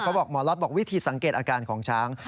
หมอบอกหมอล็อตบอกวิธีสังเกตอาการของช้าง